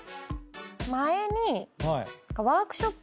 前に。